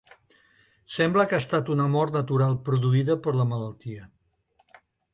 Sembla que ha estat una mort natural produïda per la malaltia.